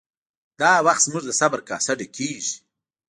دا وخت زموږ د صبر کاسه ډکیږي